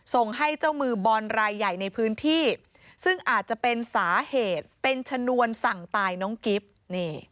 ส่งให้เจ้ามือบอลรายใหญ่ในพื้นที่ซึ่งอาจจะเป็นสาเหตุเป็นชนวนสั่งตายน้องกิฟต์นี่